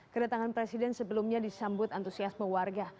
kedatangan presiden sebelumnya disambut antusiasme warga